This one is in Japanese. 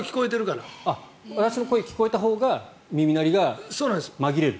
私の声が聞こえたほうが耳鳴りがまぎれる？